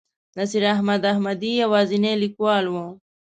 نصیر احمد احمدي یوازینی لیکوال و.